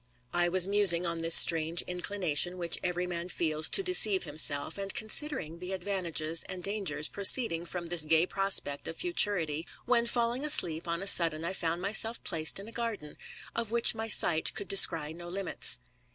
I was musing on this strange inclination which every man feels to deceive himself, and considering the advantages and dangers proceeding from this gay prospect of futiuity, when, falling asleep, on a sudden I found myself placed in a garden, of which my sight could descry no limits.